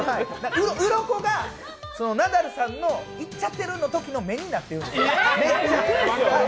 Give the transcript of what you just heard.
うろこがナダルさんがいっちゃってるときの目になってるんです。